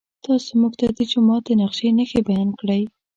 تاسو موږ ته د جومات د نقشې نښې بیان کړئ.